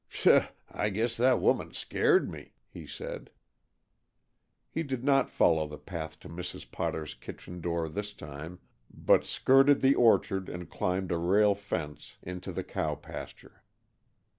"Pshaw, I guess that woman scared me," he said. He did not follow the path to Mrs. Potter's kitchen door this time, but skirted the orchard and climbed a rail fence into the cow pasture.